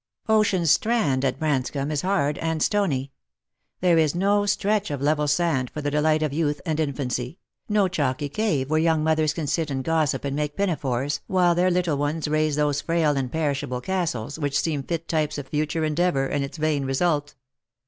Ocean's strand at Branscomb is hard and stony. There is no Btretch of level sand for the delight of youth and infancy, no chalky cave where young mothers can sit and gossip and make pinafores, while their little ones raise those frail and perishable castles which seem fit types of future endeavour and its vain result.